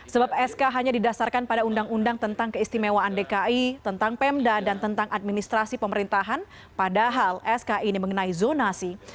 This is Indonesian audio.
sebab sk hanya didasarkan pada undang undang tentang keistimewaan dki tentang pemda dan tentang administrasi pemerintahan padahal sk ini mengenai zonasi